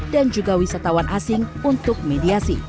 dan juga wisatawan asing untuk mediasi